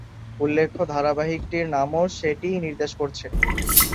উল্লেখ্য, ধারাবাহিকটির নামও সেটিই নির্দেশ করছে।